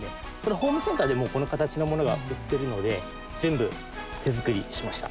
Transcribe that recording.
ホームセンターでこの形のものが売っているので全部手作りしました。